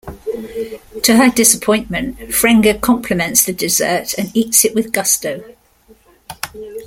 To her disappointment, Frenger compliments the dessert and eats it with gusto.